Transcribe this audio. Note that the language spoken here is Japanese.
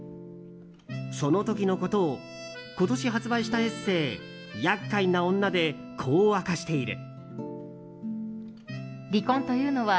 その時のことを今年発売したエッセー「厄介なオンナ」でこう明かしている。